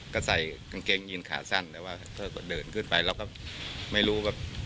ก็ใส่กางเกงยืนขาสั้นแต่ว่าเดินขึ้นไปแล้วก็ไม่รู้